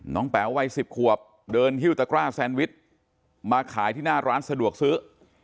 แป๋ววัย๑๐ขวบเดินหิ้วตะกร้าแซนวิชมาขายที่หน้าร้านสะดวกซื้อ